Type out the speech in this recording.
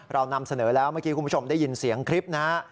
เรานำเสนอแล้วเมื่อกี้คุณผู้ชมได้ยินเสียงคลิปนะฮะ